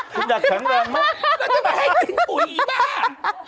คุณอยากแข็งแรงมาก